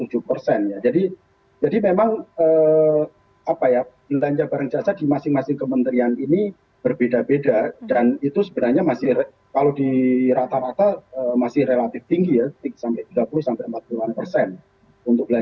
jadi memang belanja barang jasa di masing masing kementerian ini berbeda beda dan itu sebenarnya kalau di rata rata masih relatif tinggi ya